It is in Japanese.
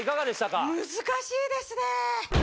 難しいですね！